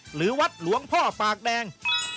หรือวัดหลวงพ่อปากแดง